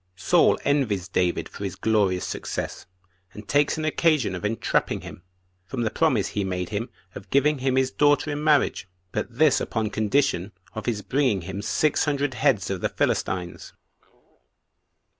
Saul Envies David For His Glorious Success, And Takes An Occasion Of Entrapping Him, From The Promise He Made Him Of Giving Him His Daughter In Marriage; But This Upon Condition Of His Bringing Him Six Hundred Heads Of The Philistines.